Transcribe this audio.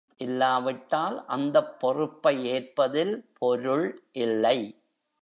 இல்லாவிட்டால் அந்தப் பொறுப்பை ஏற்பதில் பொருள் இல்லை.